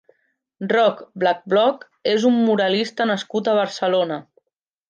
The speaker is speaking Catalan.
Roc Blackblock és un muralista nascut a Barcelona.